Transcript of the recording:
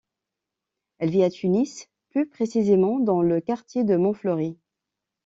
Elle vit à Tunis, plus précisément dans le quartier de Montfleury.